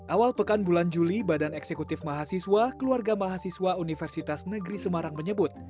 awal pekan bulan juli badan eksekutif mahasiswa keluarga mahasiswa universitas negeri semarang menyebut